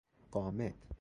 غامد